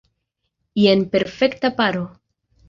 Jen perfekta paro!